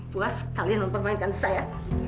puas kalian mempermainkan saya